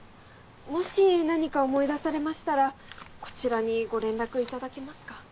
もし何か思い出されましたらこちらにご連絡いただけますか？